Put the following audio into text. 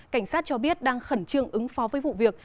cảnh sát cho biết đang khẩn trương ứng phó với vụ việc